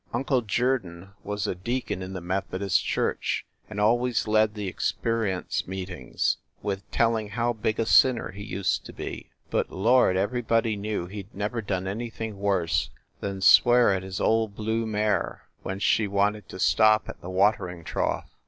Uncle Jerdon was a deacon in the Methodist church, and always led the experience meetings with telling how big a sinner he used to be. But, lord, everybody knew he d never done anything worse than swear at his old blue mare when she wanted to stop at the watering trough.